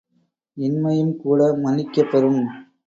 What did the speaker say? இன்மையும் கூட மன்னிக்கப்பெறும்.